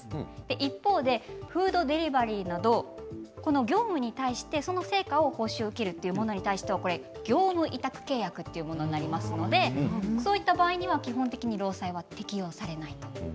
一方でフードデリバリーなど業務に対して成果の報酬を受けるという場合業務委託契約というものになりますのでそういった場合には基本的に労災は適用されない。